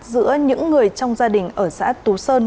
giữa những người trong gia đình ở xã tú sơn